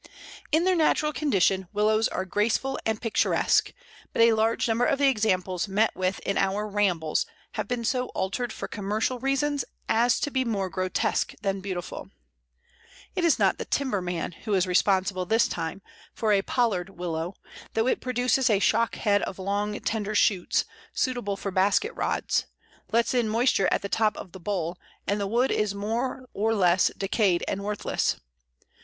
In their natural condition Willows are graceful and picturesque, but a large number of the examples met with in our rambles have been so altered for commercial reasons as to be more grotesque than beautiful. It is not the timber man who is responsible this time, for a pollard Willow, though it produces a shock head of long slender shoots, suitable for basket rods, lets in moisture at the top of the bole, and the wood is more or less decayed and worthless.